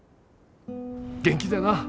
元気でな。